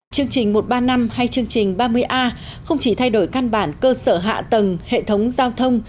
chương trình một trăm ba mươi năm hay chương trình ba mươi a không chỉ thay đổi căn bản cơ sở hạ tầng hệ thống giao thông